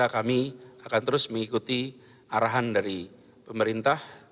kami akan terus mengikuti arahan dari pemerintah